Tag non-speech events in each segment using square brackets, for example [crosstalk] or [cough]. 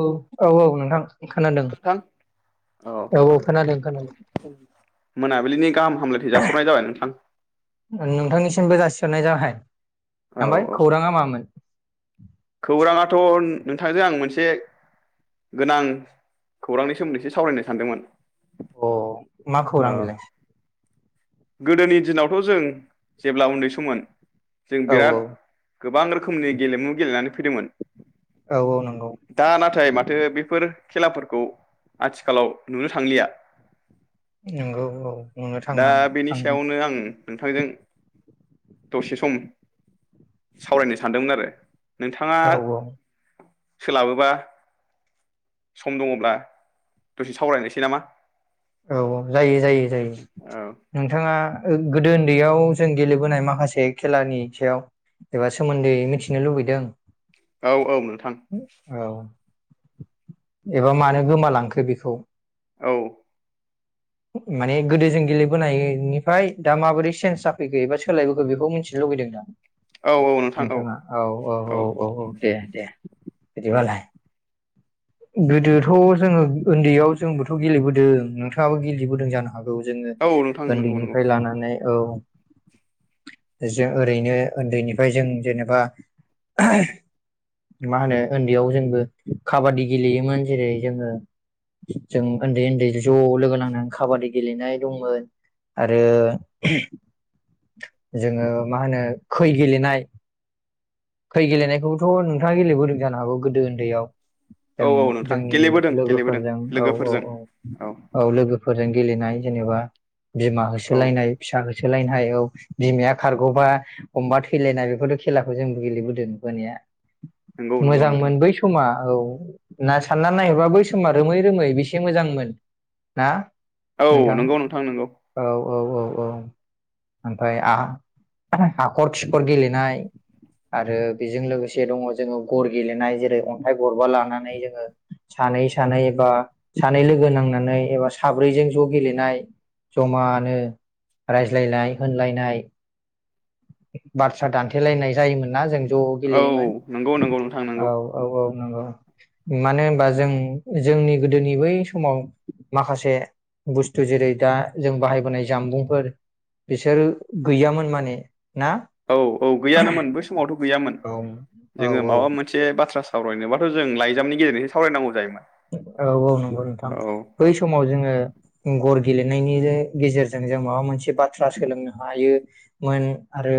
औ औ औ नोंथां खोनादों नोंथां औ औ खोनादों खोनादों मोनाबिलिनि गाहाम हामलायथि जासिहरनाय जाबाय नोंथां नोंथांनिसिमबो जासि हरनाय जाबाय औ ओमफ्राय औ खौराङा मामोन? खौराङाथ' ओम नोंथांजों आं मोनसे गोनां खौरांनि सोमोन्दै एसे सावरायनो सानदोंमोन। अ मा खौरां बेलाय? गोदोनि दिनावथ' जों जेब्ला उन्दै सममोन जों औ बिराद गोबां रोखोमनि गेलेमु गेलेनानै फैदोंमोन औ औ नंगौ दा नाथाय माथो बे बेफोर खेलाफोरखौ आथिखालाव नुनो थांलिया। नंगौ औ नुनो दा थाङा बेनि सायावनो आङो नोंथांजों दसे सम सावरायनो सानदोंमोनआरो नोंथाङा औ औ सोलाबोबा सम दङब्ला दसे सावरायनोसै नामा? औ जायो जायो जायो औ नोंथाङा ओ गोदो उन्दैयाव जों गेलेबोनाय माखासे खेलानि सायाव एबा सोमोन्दै मिथिनो लुबैदों? औ औ नों औ एबा मानो गोमालांखो बेखौ औ माने गोदो जों गेलेबोनायनिफाय दा माबोरै चेन्ज जाफैखो एबा सोलायबोखो बेखौ मिथिनो लुबैदों नोंथां? औ औ नोंथां नोंथाङा औ औ औ औ औ दे दे बिदिबालाय। गोदोथ' जोङो उन्दैयाव जोंबोथ' गेलेबोदों नोंथाङाबो गेलेबोदों जानो हागौ जोङो औ नोंथां नंगौ नंगौ उन्दैनिफ्राय लानानै औ जों ओरैनो उन्दैनिफ्राय जों जेनेबा [unintelligible] मा होनो उन्दैयाव जोंबो काबादि गेलेयोमोन जेरै जोङो जों उन्दै उन्दै ज' लोगो नांनानै खाबादि गेलेनाय दंमोन आरो जोङो मा होनो खै गेलेनाय खै गेलेनायखौथ नोंथाङा गेलेबोदों जानो हागौ गोदो उन्दैयाव औ जों औ नोंथां जोंनि गेलेबोदों गेलेबोदों लोगोफोरजों औ औ लोगोफोरजों औ औ लोगोफोरजों गेलेनाय जेनेबा बिमा औ होसोलायनाय फिसा होसो लायनो हायो औ बिमाया खारगबा अमबा थैलायनाय बेफोरथ खेलाखौ जों गेलेबोदों बोनाया नंगौ नंगौ नोंथां मोजांमोन बै समा। औ ना सानना नायहरबा बै समा रोमै रोमै बेसे मोजांमोन ना। औ नंगौ नोंथां नोंगौ। औ औ औ ओमफ्राय आ हाखर खिखर गेलेनाय। आरो बेजों लोगोसे दङ जोङो गर गेलेनाय जेरै अन्थाइ गबा लानानै जोङो सानै सानै एबा सानै लोगो नांनानै एबा साब्रैजों ज गेलेनाय जमानो रायज्लायनाय होनलायनाय [unintelligible] बाथ्रा दानथेलायनाय जायोमोन ना जों ज' औ गेलेयोमोन नंगौ नंगौ नोंथां औ नंगौ औ औ नंगौ। मानो होनबा जों जोंनि गोदोनि बै समाव माखासे बुस्थु जेरै दा जों बाहायबोनाय जामबुंफोर बिसोर गैयामोन माने। ना औ औ गैयानोमोन बै समावथ' गैयामोन औ औ जोङो माबा मोनसे बाथ्रा सा सावरायनोबाथ' जों लाइजामनि गेजेरजोंसो सावरायनांगौ जायोमोन। औ औ नंगौ नोंथां औ औ बै समाव जोङो गर गेलेनायनि जो गेजेरजों जों माबा मोनसे बाथ्रा सोलोंनो हायोमोन। आरो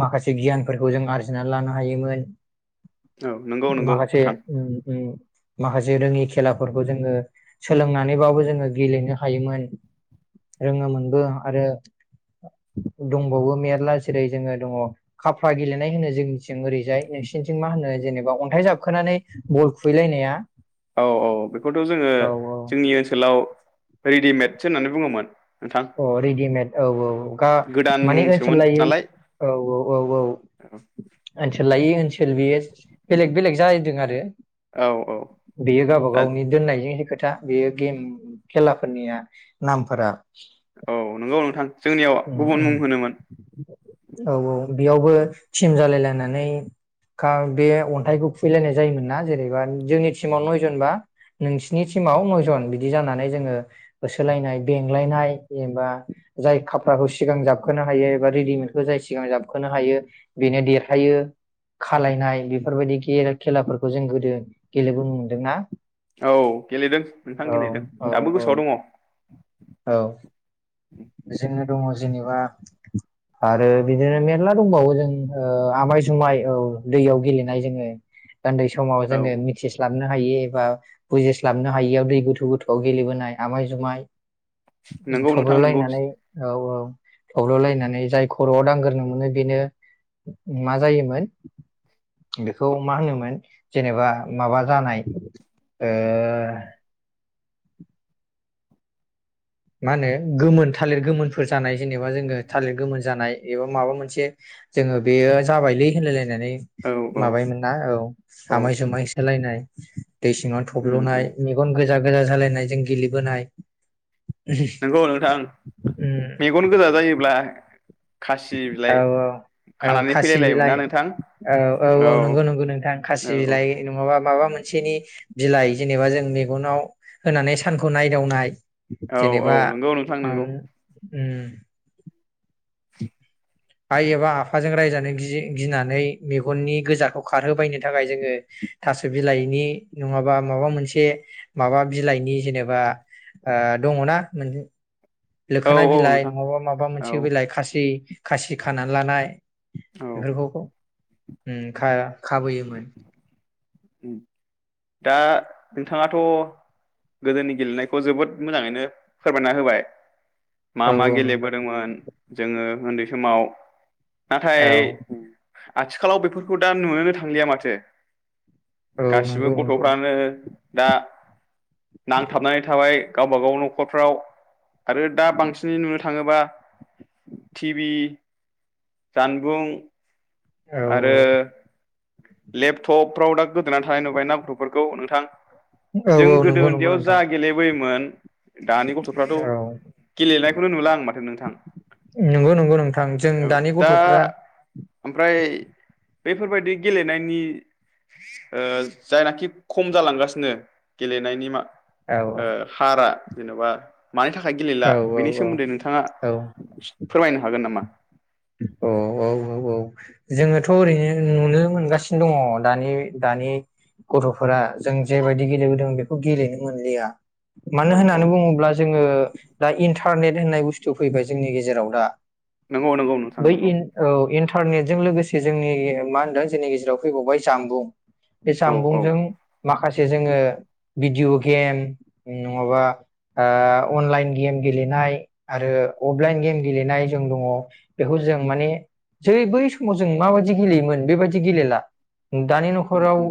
माखासे गियानफोरखौ जों आरजिनानै लानो हायोमोन। औ नंगौ नंगौ माखासे नोंथां उम उम माखासे रोङि खेलाफोरखौ जोङो सोलोंनानैबाबो जोङो गेलेनो हायोमोन। रोङोमोनबो आरो दंबावो मेरला जेरै जोङो दङ खाफा गेलेनाय होनो जोंनिथिं ओरैजाय नोंसिनिथिं मा होनो जेनेबा अन्थाइ जाबखोनानै बल खुबहैलायनाया? औ औ बेखौथ' जोङो जोंनि ओनसोलाव रेडिमेडसो होननानै बुङोमोन। नोंथां अ रेडिमेड औ औ ग गोदान माने ओनसोल मुंसोमोन लायै नालाय औ औ औ औ ओनसोल लायै ओनसोल बेयो बेलेग बेलेग जा दों आरो औ औ बेयो गावब दा गावनि दोननायजों खो खोथा बेयो गेम खेलाफोरनिया नामफोरा औ नंगौ नोंथां। जोंनियाव उम गुबुन उम मुं होनोमोन औ औ बेयावबो थिम जालायलायना नै कार बे अन्थाइखौ खुबैलायनाय जायोमोन ना। जेनैबा जोंनि टिमाव नयजन बा नोंसिनि टिमाव नयजन बिदि जानानै जोङो होसोलायनाय बेंलायनाय जेनबा जाय का फ्राराखौ सिगां जाबखोनो हायो एबा रेडिमेडखौ जाय सिगां जाबखोनो हायो बेनो देरहायो। खालनाय बेफोरबायदि खेलाफोरखौ जों गोदो गेलेबोनो मोनदोंना? औ गेलेदों नोंथां औ गेलेदों औ दाबो औ गोसोआव दङ। औ जोङो दङ जेनेबा आरो बिदिनो मेरला दंबावो जों ओ आमाय जुमाय औ दैयाव गेलेनाय जोङो। उन्दै समाव दङ जोङो औ मिथिस्लाबनो हायि एबा बुजिस्लाबनो हायियाव दै गोथौ गोथौआव गेलेबोनाय आमाय जुमाय नंगौ नोंथां नंगौ थब्ल'लायनानै औ औ थब्ल'लायनानै जाय खर'आव दांग्रो मोनो बेनो मा जायोमोन बेखौ मा होनोमोन जेनेबा माबा जानाय ओ मा होनो गोमोन थालिर गोमोनफोर जानाय जेनेबा जोङो थालिर गोमोन जानाय इआव माबा मोनसे जोङो बेयो जाबायलै होनलायलायनाय औ औ नानै माबायोम ना औ औ आमाय जुमाय होसोलायनाय। दै सिङाव उम थब्ल'नाय उम मेगन गो गोजा गोजा जालायनाय जों गेलेबोनाय नंगौ नोंथां उम मेगन गोजा जायोब्ला खासि औ बिलाइ औ औ खानानै खासि फैलायलायोमोन ना बिलाइ नोंथां औ औ औ नंगौ नंगौ नोंथां खासि बिलाइ नङाबा माबा मोन सेनि बिलाइ जेनेबा जों मेगनाव होनानै सानखौ नायदावनाय। औ औ नंगौ नोंथां नोंगौ। उम आइ एबा आफाजों रायजानो गि-गिनानै मेगननि गोजाखौ खारहोबायनो थाखाय जोङो थास' बिलाइनि नङाबा माबा मोनसे माबा बिलाइनि जेनेबा दङना मोन औ लोखोना औ बिलाइ नोंथां नङाबा माबा औ मोनसे बिलाइ खासि खासि खाना लानाय औ बेफोरखौ खौ उम खा खाबोयोमोन दा नोंथाङाथ' गोदोनि गेलेनायखौ जोबोद मोजाङैनो फोरमायना होबाय। मा औ मा औ गेले नंगौ बोदोंमोन जोङो उन्दै समाव। नाथाय। औ आथिखालाव बेफोरखौ दा नुनोनो थांलिया माथो। औ गासिबो नंगौ नंगौ गथ'फ्रानो। दा नांथाबनानै थाबाय गावब गाव न'खरफ्राव आरो दा बांसिनै नुनो थाङोबा थिबि जानबुं। औ आरो लेपटपफ्राव दा गोदोना थानाय नुबाय ना गथ'फोरखौ नोंथां? औ जों औ गोदो नंगौ नंगौ उन्दैयाव नोंथां जा गेले बोयोमोन। दानि गथ'फ्राथ' औ गेलेना खौनो नुला आं माथ नंगौ नंगौ नोंथां जों दानि गथ'फ्रा फ्राय बेफोरबायदि गेलेनायनि ओ जायनाखि खम जालांगासिनो गेलेनायनि मा औ ओ हारा। जेन'बा मानि थाखाय गेलेला औ औ बेनि सोमोन्दै औ नोंथाङा फोरमायनो हागोन नामा? अ औ औ औ जोङोथ' ओरैनो नुनो मोनगासिनो दङ दानि दानि गथ'फोरा जों जेबायदि गेलेबोदों बेखौ गेलेनो मोनलिया। औ मानो औ होननानै बुङोब्ला जो जोङो दा इन्टारनेट होननाय बुस्थु फैबाय जोंनि गेजेराव दा। नंगौ नंगौ नोंथां बै नंगौ इन्ट औ इन्ट न्टारनेटजों लोगोसे जोंनि मा होनदों जोंनि गेजेराव फैबावबाय जामबुं। बे औ औ जामबुंजों माखासे जोङो भिडिअ' गेम नङाबा ओ अनलाइन गेम गेलेनाय आरो अफ लाइन गेम गेलेनाय जों दङ। बेखौ जों माने जै बै समाव जों माबायदि गेलेयोमोन बेबायदि गेलेला। दानि उम न'खराव उम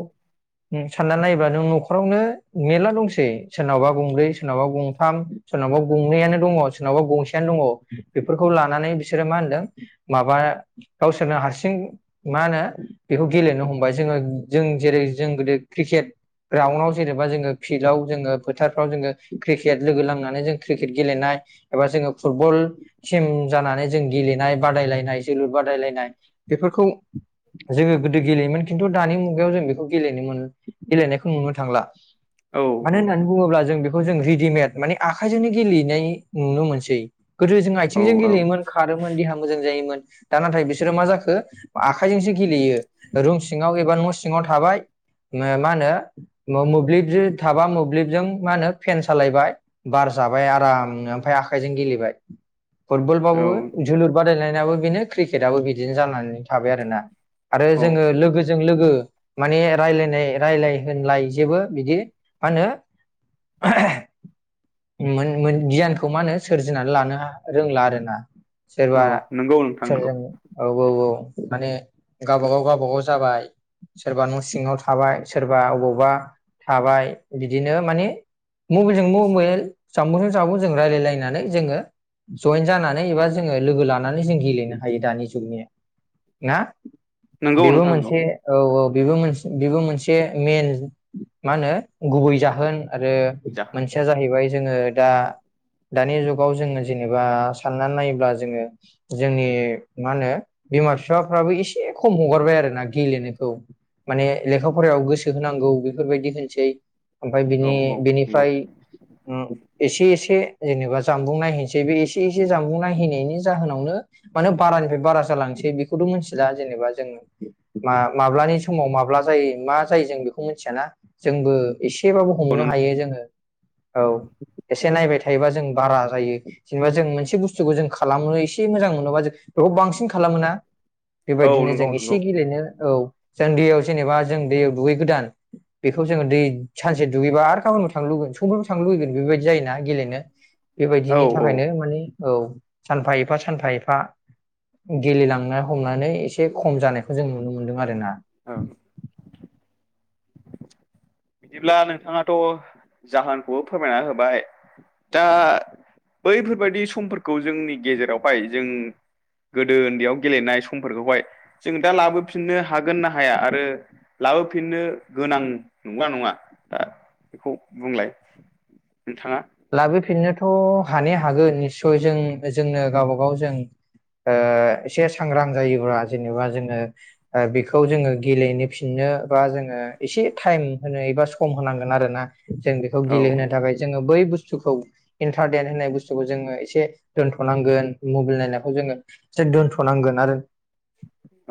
सानना नाय [unintelligible] न'खरावनो मेरला दंसै सोरनावबा गंब्रै सोरनावबा गंथाम सोरनावबा गंनैयानो दङ' सोरनावबा गंसेयानो दङ' बेफोरखौ लानानै बिस सोरो मा होनदों माबा गावसोरनो हारसिं मा होनो बेखौ गेलेनो हमबाय जोङो जों जेरै जों गोदो क्रिकेट ग्राउनाव जेनेबा जोङो फिल्डआव जोङो फोथारफ्राव जोङो क्रिकेट लोगो लांनानै जों क्रिकेट गेलेनाय एबा जोङो फुटबल थिम जानानै जों गेलेनाय बादायलायनाय जोलुर बादायलायनाय बेफोरखौ जोङो गोदो गेलेयोमोन खिन्थु दानि मुगायाव जों बे गेलेनो मोनो गेलेनो गेलेनायखौ नुनो थांला। औ मानो होननानै बुङोब्ला जों बेखौ जों रि दिमेट माने आखाइजोंनो गेलेनाय नुनो मोनसै। गोदो जों औ आथिंजों गेलेयोमोन देहा मोजां जायोमोन दा नाथाय बिसोरो मा जाखो आखाइजोंसो गेलेयो रुम सिङाव एबा न' सिङाव थाबाय मा होनो म-मोब्लिबजो थाबा मोब्लिबजों मा होनो फेन सालायबाय बार जाबाय आराम ओमफाय आखाइजों गेलेबाय फुटबल बाबो औ फुटबल बादायलायनायाबो बेनो क्रिकेटआबो बिदिनो जानानै थाबाय आरोना आरो औ जोङो लोगो जों लोगो माने रायलायनाय रायलाय होनलाय जेबो बिदि मा होनो [unintelligible] मोन मोन गियानखौ मा होनो सोरजिनानै लानो रोंला आरोना। औ सोरबा नंगौ सोरजों नोंथां नंगौ औ औ औ माने गावबागाव गावबाागाव जाबाय सोरबा न' सिङाव थाबाय सोरबा अबावबा थाबाय बिदिनो माने मबाइलजों मबेल जामबुंजों जामुजों जोङो रायलायलायनानै जोङो जइेन जानानै एबा जोङो लोगो लानानै जों गेलेनो हायो दानि जुगनि ना? नंगौ बेबो नोंथां नंगौ मोनसे औ औ बेबो मोनस बेबो मोनसे मेन मा होनो गुबै जाहोन आरो जाखां मोनसेया जाहैबाय जोङो दा दानि जुगाव जोङो जेनेबा साननानै नायो ब्ला जोङो जोंनि मा होनो बिमा बिफाफ्राबो एसे खम हगारबाय आरोना गेलेनायखौ माने लेखा फरायाव गोसो होनांगौ बेफोरबायदि होनसै ओमफाय औ बिनि औ नंगौ -बिनिफ्राय उम एसे एसे जेनेबा जामबुं नायहोनोसै बे एसे एसे जानबुं नाय है नायनि जाहोनावनो माने बारानिफ्राय बारा जालांसै बेखौथ' मोनथिला जेनेबा जों मा माब्लानि समाव माब्ला जायो मा जायो जों बेखौ मिथियाना जोंबो एसेबाबो हमनो हायो जोङो औ एसे नायबाय थायोबा जों बारा जायो जेनेबा जों मोनसे बुस्थुखौ जों खालामो एसे मोजां मोनोबा जों बेखौ बांसिन खालामो ना औ बेबायदिनो जों नंगौ एसे नंगौ गेलेनो औ जों दैयाव जेनेबा जों दैयाव दुगै गोदान बेखौ जोङो दै सानसे दुगैबा आरो गाबोनाव थां लुबैगोन समफोरबो थांनो लुुबैगोन बेबायदि जायो ना गेलेनो औ बेबायदिनि औ थाखायनो माने औ सानफा एफा सानफा एफा गेलेलांनो हमनानै एसे खम जानायखौ जों नुनो मोन्दों आरो ना औ बिदिब्ला नोंथाङाथ' जाहोनखौबो फोरमायना होबाय दा बैफोरबायदि समफोरखौ जोंनि गेजेरावहाय जों गोदो उन्दैयाव गेलेनाय समफोरखौहाय जों दा लाबोफिननो हागोन ना हाया आरो लाबोफिननो गोनां नंगोना नङा दा बेखौ बुंलाय नोंथाङा लाबो फिननो थ' हानाया हागोन निस्सय जों जोंनो गावबा गाव जों ओ एसे सांग्रां जायोब्ला जेनेबा जोङो ओ बेखौ जोङो गेलेनो फिननो बा जोङो एसे टाइम होनो एबा सम होनो होनांगोन आरोना जों बेखौ औ गेलेहोनो थाखाय जो बै बुथ इन्टारनेेट होननाय बुस्थुखौ जोङो एसे दोनथ'नांगोन मबाइल नायनायखौ जोङो एसे दोनथ'नांगोन आरो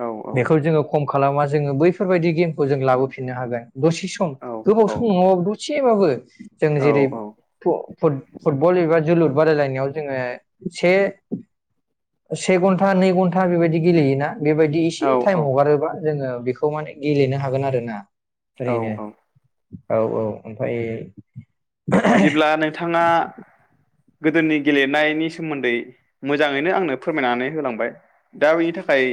औ बेखौ जोङो खम खालामा जोङो बैफोरबायदि गेमखौ जों लाबोफिननो हागोन दसे सम औ गोबाव सम नङाबाबो दसे एसेबाबो जों औ जेरै फुटबल एबा जोलुर बादायलायनायाव जोङो से से घन्टा नै घन्टा बेबायदि गेलेयोना बेबायदि एसे औ टाइम हगारोबा जोङो बे बेखौ माने गेलेनो हागोन आरो ना। औ औ ओरैनो औ औ औ ओमफ्राय बिदिब्ला नों थांङा गोदोनि गेलेनायनि सोमोन्दै मोजाङैनो आंनो फोरमायनानै होलांबाय दा बेनि थाखाय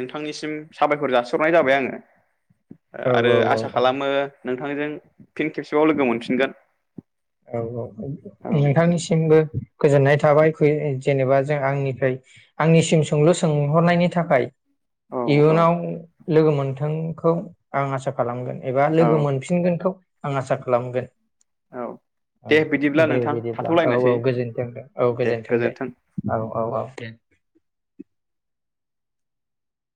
नोंथांनिसिम साबायखर जाासिहरनाय जाबाय आङो औ आरो औ आसा खालामो नोंथांजों फिन खेबसेबाव लोगो मोनफिनगोन। औ औ औ नोंथांनिसिमबो गोजोननाय थाबाय जेनेबा जों आंनिफ्राय आंनिसिम सोंलु सोंहरनायनि थाखाय। औ औ इयुनाव लोगो मोनथों बे खौ आं आसा खालामगोन एबा औ लोगो मोनफिनगोनखौ आं आसा खालामगोन औ दे बिदिब्ला दे नोंथां बिदिब्ला औ औ थाथ'लायनोसै गोजोनथों दे औ गोजोनथों दे औ औ औ दे।